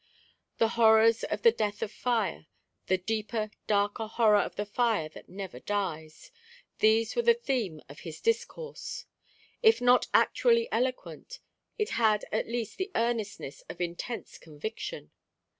The horrors of the death of fire, the deeper, darker horror of the fire that never dies, these were the theme of his discourse. If not actually eloquent, it had at least the earnestness of intense conviction.